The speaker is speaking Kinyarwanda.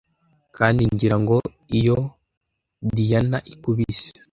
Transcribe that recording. kandi ngira ngo iyo diana ikubise